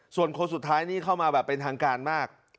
ส่วนคนสุดท้ายนี่เข้ามาแบบเป็นทางการมาก